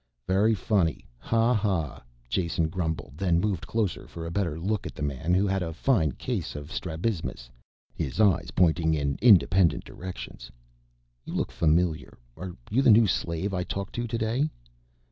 "Very funny, ha ha," Jason grumbled, then moved closer for a better look at the man who had a fine case of strabismus, his eyes pointing in independent directions. "You look familiar ... are you the new slave I talked to today?"